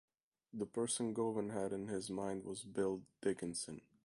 The person Govan had in mind was Bill Dickinson.